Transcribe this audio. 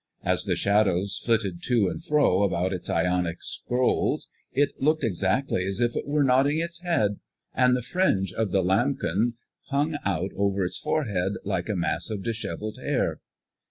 As the shadows flitted to and fro about its Ionic scrolls, it looked exactly as if it were nodding its head, and the fringe of the lambrequin hung out over its forehead like a mass of disheveled hair.